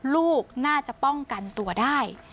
ลูกน่าจะป้องกันตัวได้